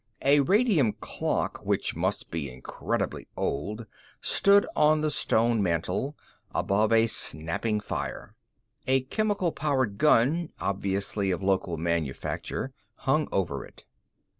A radium clock, which must be incredibly old, stood on the stone mantel, above a snapping fire; a chemical powered gun, obviously of local manufacture, hung over it.